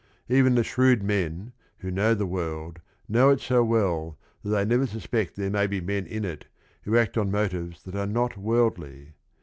Even the shrewd men who know the world know it so well that they never suspect there may be men in it who act on motives that are not worldly.